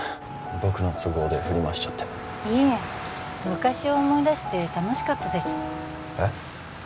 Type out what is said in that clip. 僕の都合で振り回しちゃっていえ昔を思い出して楽しかったですえっ？